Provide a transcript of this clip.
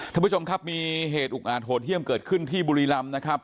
ท่านผู้ชมครับมีเหตุอุกอาจโหดเยี่ยมเกิดขึ้นที่บุรีรำนะครับ